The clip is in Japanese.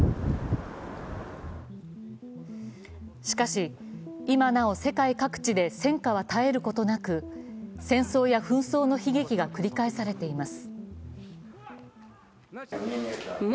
しかし、今なお世界各地で戦火は絶えることなく、戦争や紛争の悲劇が繰り返されています。